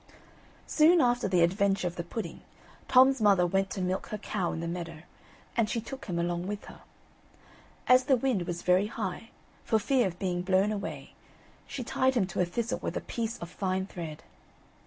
Soon after the adventure of the pudding, Tom's mother went to milk her cow in the meadow, and she took him along with her. As the wind was very high, for fear of being blown away, she tied him to a thistle with a piece of fine thread.